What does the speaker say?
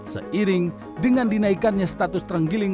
seiring dengan dinaikannya status terenggiling